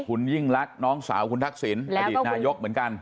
คุณยิ่งรักน้องสาวคุณทักษิณอดีตนายกเหมือนกัน